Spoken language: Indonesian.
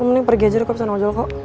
lu mending pergi aja deh ke sana wajol kok